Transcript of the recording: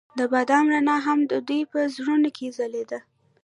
د بام رڼا هم د دوی په زړونو کې ځلېده.